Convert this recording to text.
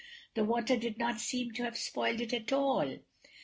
The water did not seem to have spoiled it at all.